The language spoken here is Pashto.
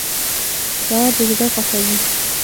سهار د زړه خوښوي.